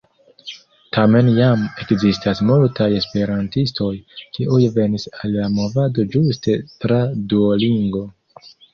Tamen jam ekzistas multaj esperantistoj, kiuj venis al la movado ĝuste tra Duolingo.